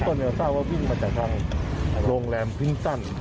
ต้นยาวว่าวิ่งมาจากทางโรงแรมพิ้นตั้น